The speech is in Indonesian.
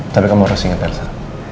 tapi kamu harus ingat persa